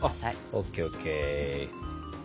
ＯＫＯＫ。